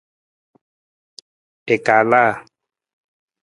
I kalaa.